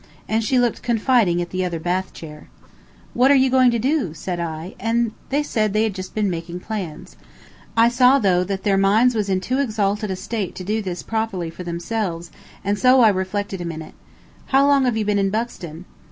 And she looked confiding at the other bath chair. "What are you going to do?" said I, and they said they had just been making plans. I saw, though, that their minds was in too exalted a state to do this properly for themselves, and so I reflected a minute. "How long have you been in Buxton?"